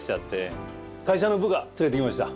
会社の部下連れてきました。